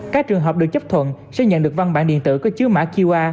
các trường hợp được chấp thuận sẽ nhận được văn bản điện tử có chứa mã qr